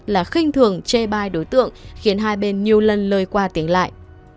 là khinh thường chê bai đối tượng khiến hai bên nhiều lần lời qua tiếng lại